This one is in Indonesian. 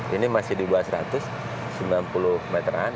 ini masih di bawah seratus sembilan puluh meter an